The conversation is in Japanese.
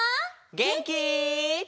げんき？